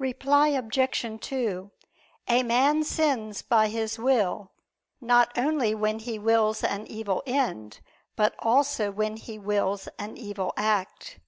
Reply Obj. 2: A man sins by his will, not only when he wills an evil end; but also when he wills an evil act.